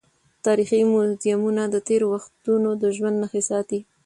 تاریخي موزیمونه د تېرو وختونو د ژوند نښې ساتي.